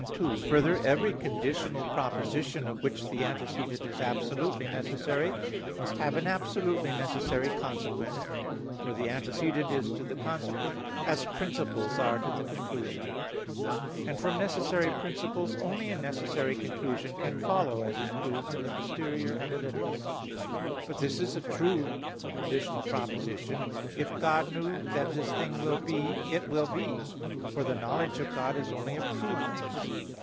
2: Further, every conditional proposition of which the antecedent is absolutely necessary must have an absolutely necessary consequent. For the antecedent is to the consequent as principles are to the conclusion: and from necessary principles only a necessary conclusion can follow, as is proved in Poster. i. But this is a true conditional proposition, "If God knew that this thing will be, it will be," for the knowledge of God is only of true things.